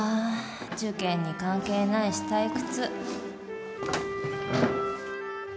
受験に関係ないし退屈